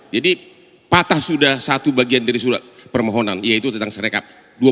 jadi patah sudah satu bagian dari permohonan yaitu tentang sirekap